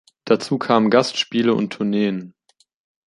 Dazu kamen Gastspiele und Tourneen.